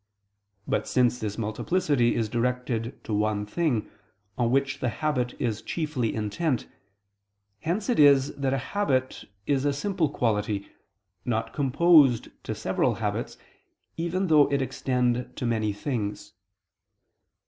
But since this multiplicity is directed to one thing, on which the habit is chiefly intent, hence it is that a habit is a simple quality, not composed to several habits, even though it extend to many things.